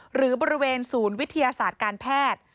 หรือบริเวณศูนย์วิทยาศาสตร์การแพทย์